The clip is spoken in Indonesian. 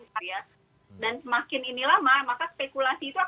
dan semakin ini lama maka spekulasi itu akan semakin berkembang gitu